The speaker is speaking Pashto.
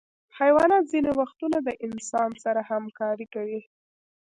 حیوانات ځینې وختونه د انسان سره همکاري کوي.